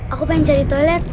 aku pengen cari toilet